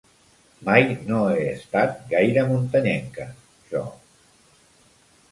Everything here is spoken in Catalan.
Mai no he estat gaire muntanyenca, jo.